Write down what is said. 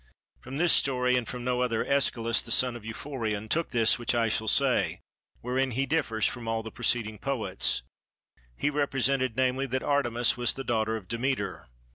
From this story and from no other AEschylus the son of Euphorion took this which I shall say, wherein he differs from all the preceding poets; he represented namely that Artemis was the daughter of Demeter.